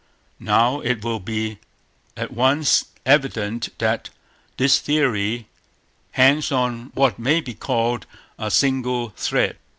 Now it will be at once evident that this theory hangs on what may be called a single thread.